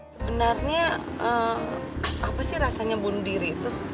sebenarnya apa sih rasanya bunuh diri itu